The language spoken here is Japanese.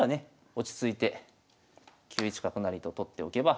落ち着いて９一角成と取っておけば。